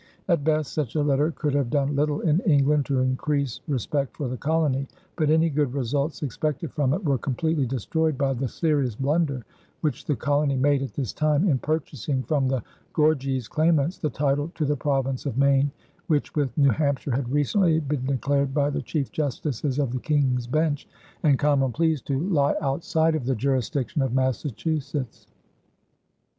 At best such a letter could have done little in England to increase respect for the colony, but any good results expected from it were completely destroyed by the serious blunder which the colony made at this time in purchasing from the Gorges claimants the title to the province of Maine, which with New Hampshire had recently been declared by the chief justices of the King's Bench and Common Pleas to lie outside of the jurisdiction of Massachusetts.